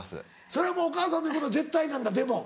それはお母さんの言うこと絶対なんだでも。